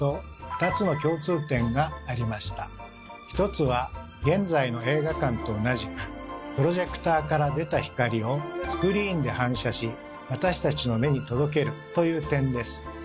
１つは現在の映画館と同じくプロジェクターから出た光をスクリーンで反射し私たちの目に届けるという点です。